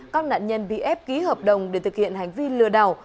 các nạn nhân bị ép ký hợp đồng để thực hiện hành vi lừa đảo